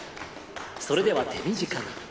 それでは手短に。